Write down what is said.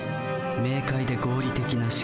明快で合理的な思考。